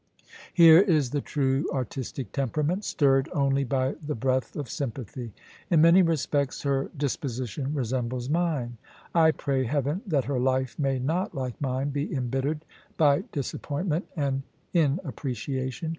Here is the true artistic temperament, stirred only by the breath of sympathy. In many respects her dis position resembles mine. I pray heaven that her life may not, like mine, be embittered by disappointment and inap preciation.